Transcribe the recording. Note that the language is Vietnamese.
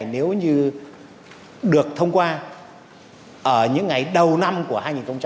nếu như được thông qua ở những ngày đầu năm của hai nghìn hai mươi bốn